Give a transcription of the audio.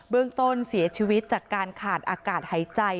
เรื่องต้นเสียชีวิตจากการขาดอากาศหายใจ